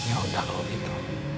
ya udah kalau gitu